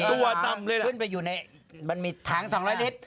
ขึ้นไปอยู่ในมันถ่าง๒๐๐ลิตร